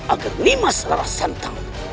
agar nima saudara santang